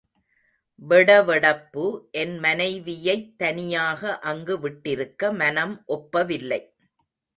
வெட வெடப்பு என் மனைவியைத் தனியாக அங்கு விட்டிருக்க மனம் ஒப்பவில்லை.